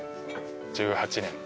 １８年。